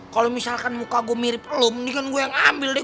kalau misalkan muka gue mirip lum ini kan gue yang ambil deh